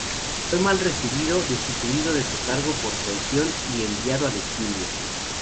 Fue mal recibido, destituido de su cargo por traición y enviado al exilio.